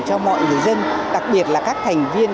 cho mọi người dân đặc biệt là các thành viên